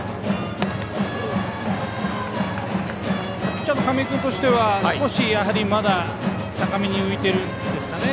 ピッチャーの亀井君としては少しまだ高めに浮いていますかね。